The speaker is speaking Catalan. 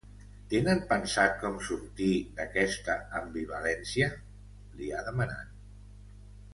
Tenen pensat com sortir d’aquesta ambivalència?, li ha demanat.